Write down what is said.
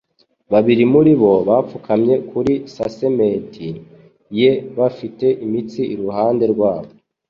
Babiri muri bo bapfukamye kuri casement ye, bafite imitsi iruhande rwabo!